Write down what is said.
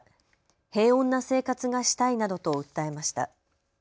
平穏な生活がしたいなどと訴えました。